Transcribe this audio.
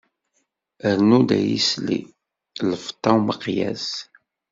Rnu-d ay isli, lfeṭṭa n umeqyas.